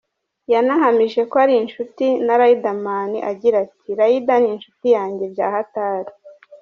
Yanahamije ko ari inshuti na Riderman agira ati “Rider ni inshuti yanjye bya hatari!”.